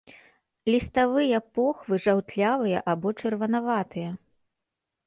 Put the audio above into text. Ліставыя похвы жаўтлявыя або чырванаватыя.